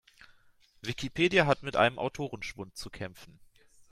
Wikipedia hat mit einem Autorenschwund zu kämpfen.